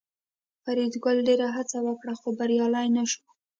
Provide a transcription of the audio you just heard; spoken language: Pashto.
فریدګل ډېره هڅه وکړه خو بریالی نشو